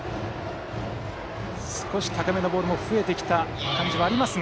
少し高めのボールも増えてきた感じはありますが。